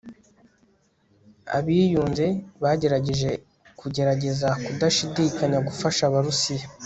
abiyunze bagerageje kugerageza kudashidikanya gufasha abarusiya